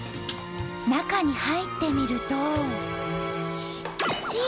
中に入ってみると。